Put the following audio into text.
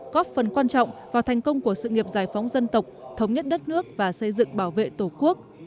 góp phần quan trọng vào thành công của sự nghiệp giải phóng dân tộc thống nhất đất nước và xây dựng bảo vệ tổ quốc